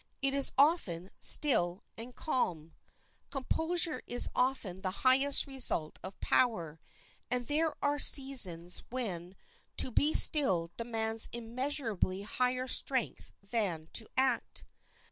It is often still and calm. Composure is often the highest result of power, and there are seasons when to be still demands immeasurably higher strength than to act.